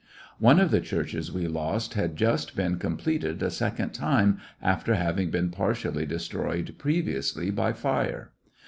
One of the churches we lost had Just been freaks of the wind completed a second time after having been partially destroyed previously by fire.